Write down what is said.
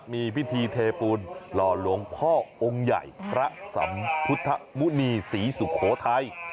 มีพิธีเทปูนหล่อหลวงพ่อองค์ใหญ่พระสัมพุทธมุณีศรีสุโขทัย